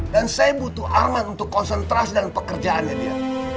dan saya butuh arman untuk konsentrasi dalam pekerjaannya dia